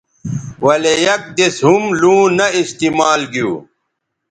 ولے یک دِس ھم لوں نہ استعمال گیو